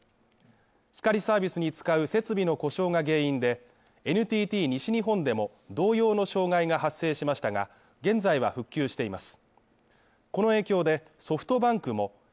光サービスに使う設備の故障が原因で、ＮＴＴ西日本でも同様の障害が発生しましたが、現在は復旧しています。